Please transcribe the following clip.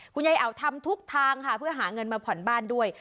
ยายแอ๋วทำทุกทางค่ะเพื่อหาเงินมาผ่อนบ้านด้วย